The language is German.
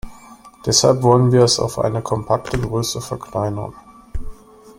Deshalb wollen wir es auf eine kompakte Größe verkleinern.